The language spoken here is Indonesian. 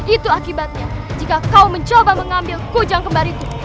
itu akibatnya jika kau mencoba mengambil kujang kembar itu